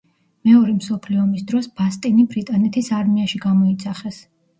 მეორე მსოფლიო ომის დროს ბასტინი ბრიტანეთის არმიაში გამოიძახეს.